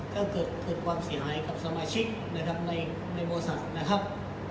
ก็เกิดความเสียหายกับสมาชิกนะครับในบริษัทนะครับ